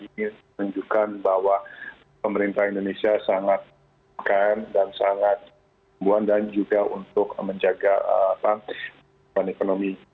ini menunjukkan bahwa pemerintah indonesia sangat keren dan sangat membuat dan juga untuk menjaga ekonomi